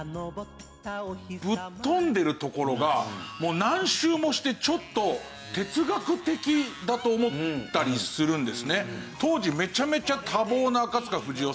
ぶっとんでるところがもう何周もしてちょっと哲学的だと思ったりするんですね。